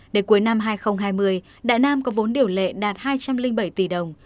đến cuối năm hai nghìn hai mươi đại nam có vốn điều lệ đạt hai trăm linh bảy tỷ đồng